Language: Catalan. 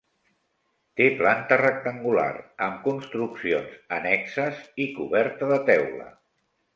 Té planta rectangular, amb construccions annexes, i coberta de teula.